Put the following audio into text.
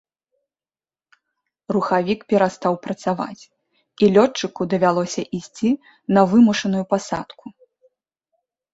Рухавік перастаў працаваць і лётчыку давялося ісці на вымушаную пасадку.